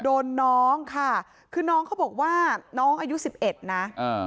โดนน้องค่ะคือน้องเขาบอกว่าน้องอายุสิบเอ็ดนะอ่า